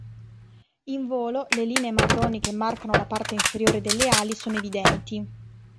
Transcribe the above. In volo, le linee marroni che marcano la parte inferiore delle ali sono evidenti.